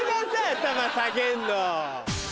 頭下げるの。